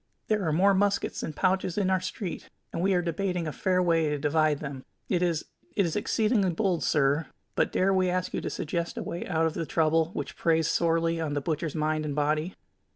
There are more muskets than pouches in our street, and we are debating a fair way to divide them. It is it is exceeding bold, sir, but dare we ask you to suggest a way out of the trouble which preys sorely on the butcher's mind and body?"